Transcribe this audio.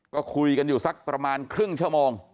ก็คุยกันอยู่สักประมาณครึ่งชั่วโมง